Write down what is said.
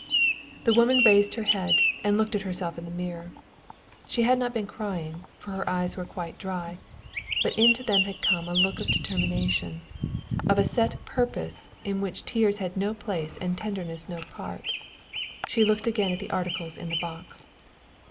The woman raised her head and looked at herself in the mirror. She had not been crying, for her eyes were quite dry, but into them had come a look of determination, of a set purpose in which tears had no place and tenderness no part. She looked again at the articles in the box.